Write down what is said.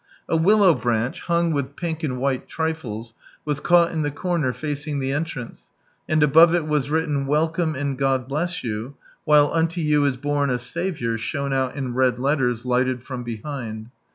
A willow branch, hung with pink and white trifles, was caught in the corner facing the entrance, and above it was written " Welcome and God hUss you," while " l/nfo you is born a Saviour" shone out in red letters, lighted from behind.